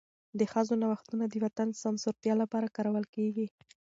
د ښځو نوښتونه د وطن د سمسورتیا لپاره کارول کېږي.